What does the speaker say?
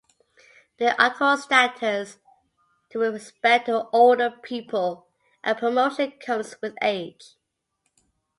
They accord status and respect to older people, and promotion comes with age.